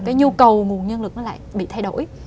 cái nhu cầu nguồn nhân lực nó lại bị thay đổi